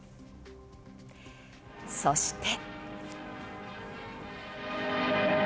そして。